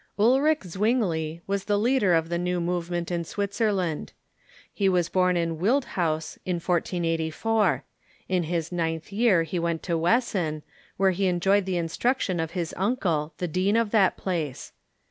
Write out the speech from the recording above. Uh'ic Zwingli was the leader of the new movement in Switz erland, lie was born in Wildhaus, in 1484. In his ninth year he went to Wesen, where he enjoyed the instruction of his uncle, the dean of that place.